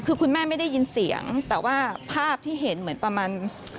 คือคุณแม่ไม่ได้ยินเสียงแต่ว่าภาพที่เห็นเหมือนประมาณ